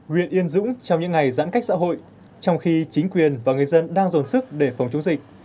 huyện yên dũng trong những ngày giãn cách xã hội trong khi chính quyền và người dân đang dồn sức để phòng chống dịch